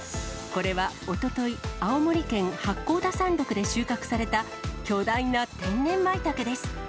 これはおととい、青森県八甲田山ろくで収穫された、巨大な天然まいたけです。